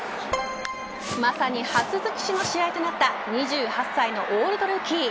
まさに初づくしの試合となった２８歳のオールドルーキー。